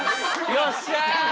よっしゃ。